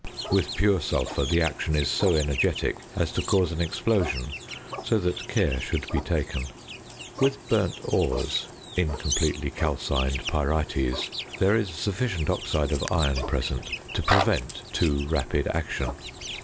With pure sulphur, the action is so energetic as to cause an explosion, so that care should be taken. With burnt ores (incompletely calcined pyrites), there is sufficient oxide of iron present to prevent too rapid action.